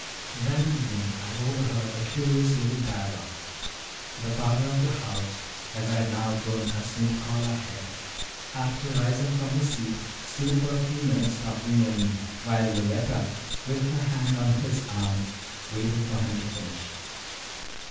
That evening I overheard a curious little dialogue. The father of the house, as I had now grown accustomed to call our head, after rising from his seat, stood for a few minutes talking near me, while Yoletta, with her hand on his arm, waited for him to finish.